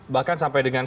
bahkan sampai dengan